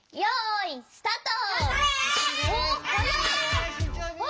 よいスタート！